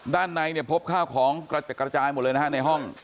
ด้านนายพบข้าวของกระจายหมดเลยนะฮะในห้อง